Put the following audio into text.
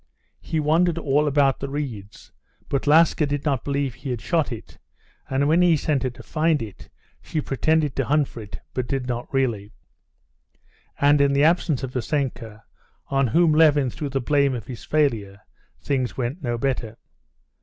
He wandered all about the reeds, but Laska did not believe he had shot it, and when he sent her to find it, she pretended to hunt for it, but did not really. And in the absence of Vassenka, on whom Levin threw the blame of his failure, things went no better.